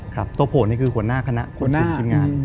ตัวโผลลิเกคือหัวหน้าคณะหัวหน้าคุณทีมงาน